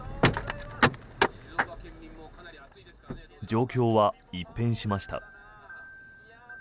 状況は一変しました。